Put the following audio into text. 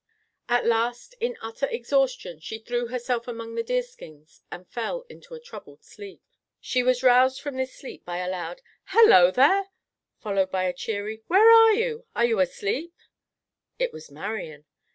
At last, in utter exhaustion, she threw herself among the deerskins and fell into a troubled sleep. She was roused from this sleep by a loud: "Hello there!" followed by a cheery: "Where are you? Are you asleep?" It was Marian.